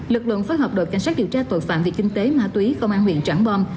lực lượng phối hợp đội cảnh sát điều tra tội phạm về kinh tế ma túy công an huyện trảng bom